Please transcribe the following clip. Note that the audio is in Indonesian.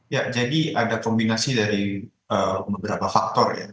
ya jadi ada kombinasi dari beberapa faktor ya